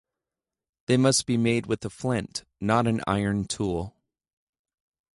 They must be made with a flint, not an iron tool.